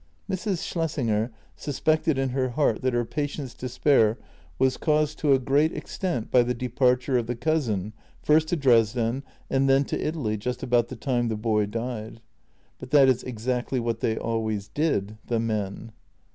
Mrs. Schlessinger suspected in her heart that her patient's despair was caused to a great extent by the departure of the cousin first to Dresden and then to Italy just about the time the boy died. But that is exactly what they always did — the men.